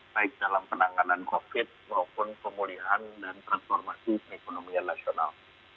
baik dalam penanganan covid sembilan belas maupun pemulihan dan transformasi ekonomi nasional